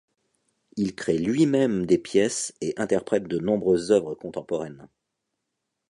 Il crée lui-même des pièces et interprète de nombreuses œuvres contemporaines.